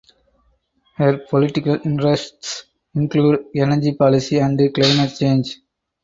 Her political interests include energy policy and climate change.